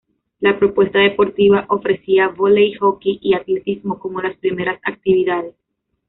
La propuesta deportiva ofrecía vóley, hockey y atletismo como las primeras actividades.